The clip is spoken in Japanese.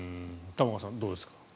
玉川さん、どうですか。